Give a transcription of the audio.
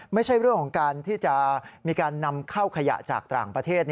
ไม่ใช่เรื่องของการที่จะมีการนำเข้าขยะจากต่างประเทศ